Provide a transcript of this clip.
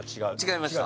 違いました。